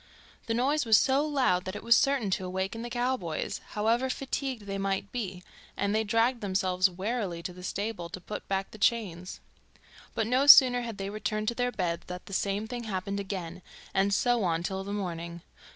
The noise was so loud that it was certain to awaken the cowboys, however fatigued they might be, and they dragged themselves wearily to the stable to put back the chains. But no sooner had they returned to their beds than the same thing happened again, and so on till the morning.